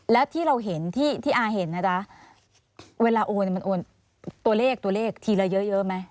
แล้วที่เราเห็นที่อาเห็นนะจ๊ะเวลาโอนมันโอนตัวเลขตัวเลขทีละเยอะไหม